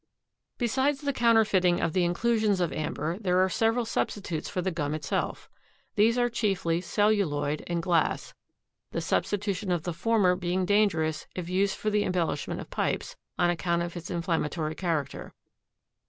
Besides the counterfeiting of the inclusions of amber there are several substitutes for the gum itself. These are chiefly celluloid and glass, the substitution of the former being dangerous if used for the embellishment of pipes, on account of its inflammatory character.